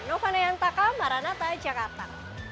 nova nayantaka maranatha jakarta